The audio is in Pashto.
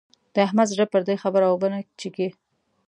د احمد زړه پر دې خبره اوبه نه څښي.